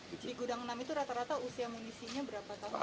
biji gudang enam itu rata rata usia mengisinya berapa tahun